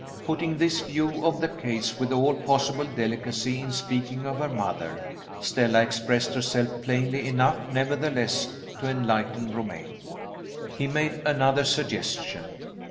Putting this view of the case with all possible delicacy, in speaking of her mother, Stella expressed herself plainly enough, nevertheless, to enlighten Romayne. He made another suggestion.